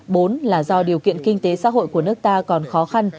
bốn là do điều kiện kinh tế xã hội của nước ta còn khó khăn